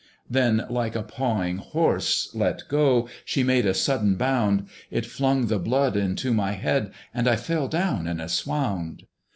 Then like a pawing horse let go, She made a sudden bound: It flung the blood into my head, And I fell down in a swound.